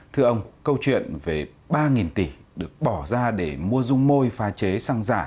thưa ông câu chuyện về ba tỷ được bỏ ra để mua dung môi pha chế xăng giả